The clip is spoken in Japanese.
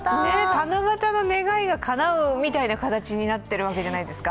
七夕の願いがかなうみたいな形になってるわけじゃないですか。